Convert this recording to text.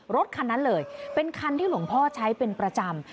รถคันนั้นเลยเป็นคันที่หลวงพ่อใช้เป็นประจำ